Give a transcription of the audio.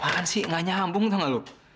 apaan sih gak nyambung tuh gak lu